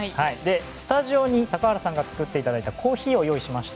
スタジオに高原さんが作っていただいたコーヒーを用意しました。